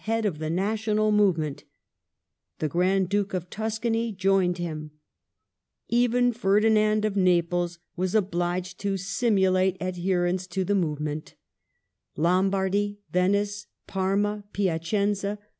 head of the national movement ; the Grand Duke of Tuscany joined him ; even Ferdinand of Naples was obliged to simulate adherence ' to the movement ; Lombardy, Venice, Parma, Placenta, Modena ^ Palmerston to Minto ap.